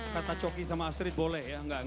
kata coki sama astrid boleh ya